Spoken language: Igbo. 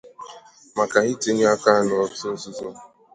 maka itinye aka n'òtù nzúzo